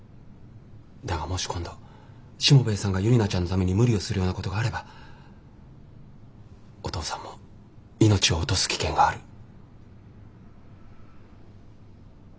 だがもし今度しもべえさんがユリナちゃんのために無理をするようなことがあればお父さんも命を落とす危険がある。